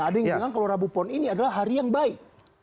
ada yang bilang kalau rabu pon ini adalah hari yang baik